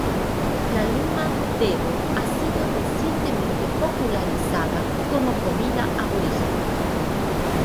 La lima dedo ha sido recientemente popularizada como comida aborigen.